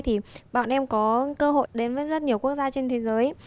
thì bọn em có cơ hội đến với rất nhiều quốc gia trên thế giới